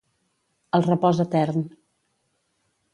El repòs etern.